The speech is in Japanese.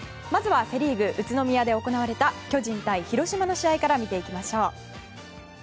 セ・リーグ宇都宮で行われた巨人対広島の試合から見ていきましょう。